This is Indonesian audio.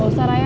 gak usah raya